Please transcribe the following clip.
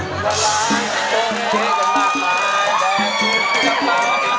ต่อเผา